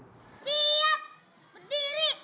siap berdiri memberi salam